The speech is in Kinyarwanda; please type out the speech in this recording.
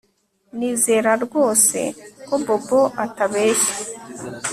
Nizeraga rwose ko Bobo atabeshya